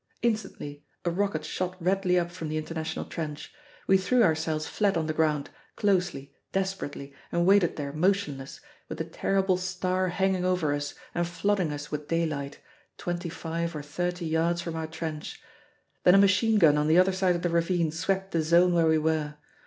Instantly a rocket shot redly up from the International Trench. We threw ourselves flat on the ground, closely, desperately, and waited there motionless, with the terrible star hanging over us and flooding us with daylight, twenty five or thirty yards from our trench. Then a machine gun on the other side of the ravine swept the zone where we were.